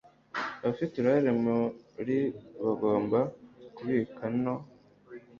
Abafite uruhare muri bagomba kubika no